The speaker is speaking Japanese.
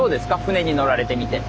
船に乗られてみて。